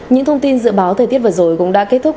những thông tin dự báo thời tiết vừa rồi cũng đã kết thúc